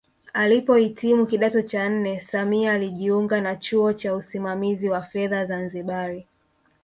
Alipohitimu kidato cha nne Samia alijiunga na chuo cha usimamizi wa fedha Zanzibari